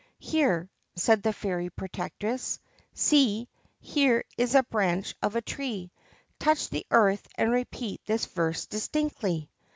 ' Here,' said the Fairy Protectress, ' see, here is a branch of a tree : touch the earth and repeat this verse distinctly.'